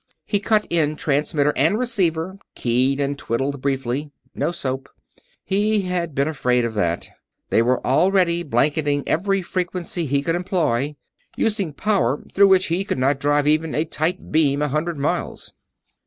He cut in transmitter and receiver, keyed and twiddled briefly. No soap. He had been afraid of that. They were already blanketing every frequency he could employ; using power through which he could not drive even a tight beam a hundred miles.